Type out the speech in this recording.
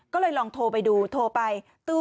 ก็เลยลองโทรไปดูโทรไป